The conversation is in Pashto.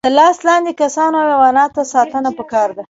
د لاس لاندې کسانو او حیواناتو ساتنه پکار ده.